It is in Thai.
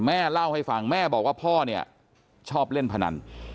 แม่เล่าให้ฟังแม่บอกว่าพ่อเนี่ยชอบเล่นพนัน